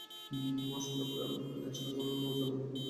সন্ধ্যার পরে আমি একটা নেশার জালের মধ্যে বিহ্বলভাবে জড়াইয়া পড়িতাম।